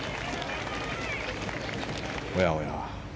おやおや。